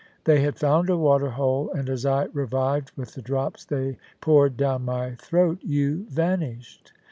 They had found a waterhole, and as I revived with the drops they poured down my throat, you vanished.